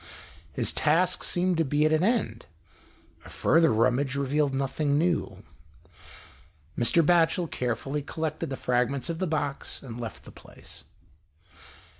His task seemed to be at an end, a further rummage revealed nothing new. Mr. Batchel carefully collected the fragments of the box, and left the place.